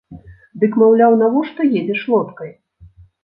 Дык, маўляў, навошта едзеш лодкай?